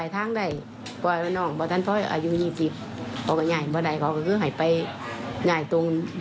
ยังไม่จบนะครับ